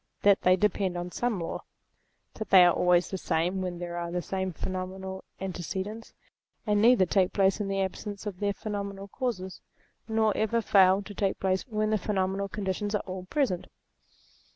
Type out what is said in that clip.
that they depend on some law ; that they are always the same when there are the same phenomenal antecedents, and neither take place in the absence of their phenomenal causes, nor ever fail to take place when the phenomenal conditions are all present.